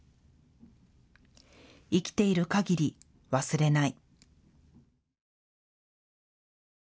生きてる限り忘れない。